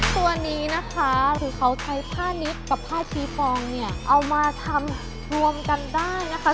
ตัวนี้นะคะหรือเขาใช้ผ้านิดกับผ้าชีฟองเนี่ยเอามาทำรวมกันได้นะคะ